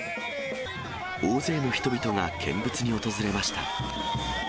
大勢の人々が見物に訪れました。